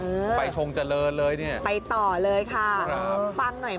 ไม่รู้ไม่รู้ไม่รู้ไม่รู้ไม่รู้ไม่รู้ไม่รู้ไม่รู้ไม่รู้ไม่รู้